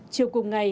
chiều cùng ngày